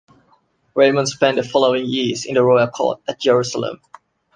Raymond spent the following years in the royal court at Jerusalem.